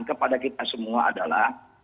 kepada kita semua adalah